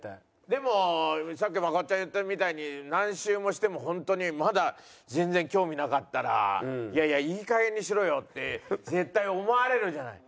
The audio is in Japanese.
でもさっきまこっちゃん言ったみたいに何週もしても本当にまだ全然興味なかったら「いやいやいい加減にしろよ」って絶対思われるじゃない。